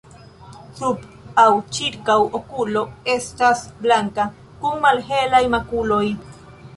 Sub aŭ ĉirkaŭ okulo estas blanka kun malhelaj makuloj.